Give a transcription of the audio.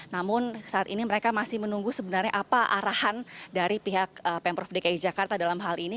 namun saat ini mereka masih menunggu sebenarnya apa arahan dari pihak pemprov dki jakarta dalam hal ini